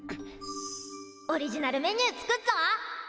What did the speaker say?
オリジナルメニュー作っぞ！